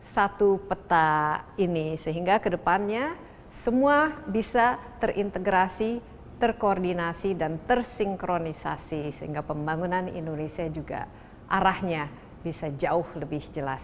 satu peta ini sehingga kedepannya semua bisa terintegrasi terkoordinasi dan tersinkronisasi sehingga pembangunan indonesia juga arahnya bisa jauh lebih jelas